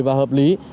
và hợp lý